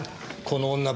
この女